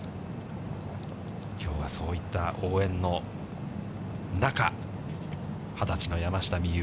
きょうはそういった応援の中、２０歳の山下美夢